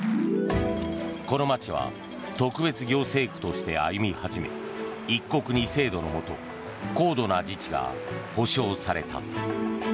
この街は特別行政区として歩み始め一国二制度のもと高度な自治が保証された。